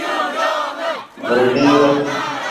Burbiire.